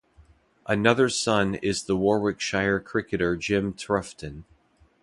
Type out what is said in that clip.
Another son is the Warwickshire cricketer Jim Troughton.